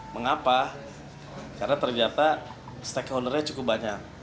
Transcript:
mengapa karena ternyata stakeholdernya cukup banyak